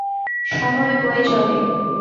সময় বয়ে চলে।